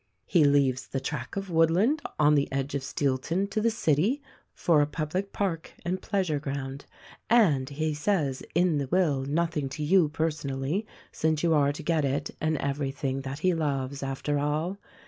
"He leaves the tract of woodland on the edge of Steel ton to the city for a public park and pleasure ground, and as he says in the will, nothing to you personally, — since you are to get it and everything that he loves, after all.